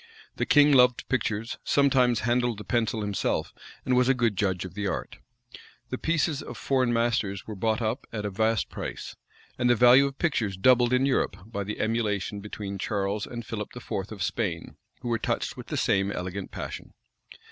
The king loved pictures, sometimes handled the pencil himself, and was a good judge of the art. The pieces of foreign masters were bought up at a vast price; and the value of pictures doubled in Europe by the emulation between Charles and Philip IV. of Spain, who were touched with the same elegant passion.